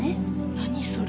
何それ。